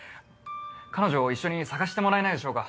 彼女を一緒に捜してもらえないでしょうか？